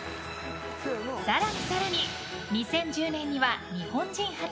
更に、更に、２０１０年には日本人初！